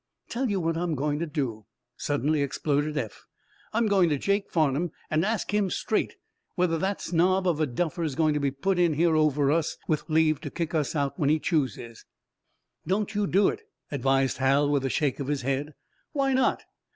"Tell you what I'm going to do," suddenly exploded Eph. "I'm going to Jake Farnum and ask him, straight, whether that snob of a duffer is going to be put in here over us, with leave to kick us out when he chooses." "Don't you do it," advised Hal, with a shake of his head. "Why not?"